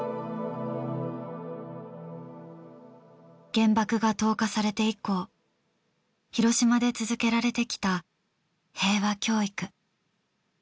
原爆が投下されて以降広島で続けられてきた平和教育。